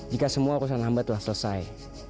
jika semua urusan lambat telah selesai